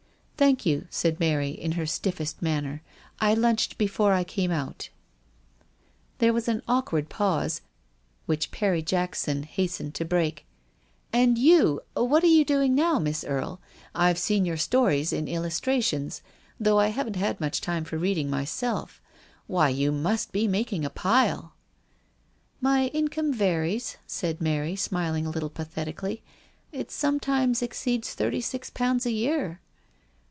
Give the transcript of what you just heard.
"Thank you," said Mary, in her stiffest manner. " I lunched before I came out." There was an awkward pause, which Perry Jackson hastened to break. " And you — what are you doing now, Miss Erie ? I've seen your stories in Ulustra. tions — though I haven't much time for read THE APOTHEOSIS OF PERRY JACKSON. 183 ing myself. Why, you must be making a pile.' "—" My income varies," said Mary, smiling a little pathetically. "It sometimes exceeds thirty six pounds a year."